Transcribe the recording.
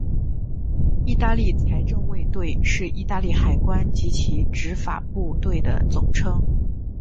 意大利财政卫队是意大利海关及其执法部队的总称。